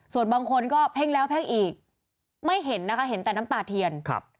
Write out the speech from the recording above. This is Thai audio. ส่วนบางคนก็เพ่งแล้วเพ่งอีกไม่เห็นนะคะเห็นแต่น้ำตาเทียนครับ